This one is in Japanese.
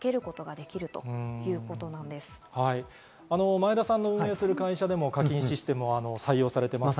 前田さんの運営する会社でも課金システム採用されています。